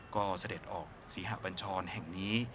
ก็เสด็จออกศรีหะบัญชรแห่งนี้